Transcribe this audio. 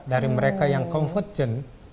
dari mereka yang konfusen